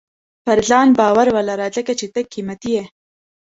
• پر ځان باور ولره، ځکه چې ته قیمتي یې.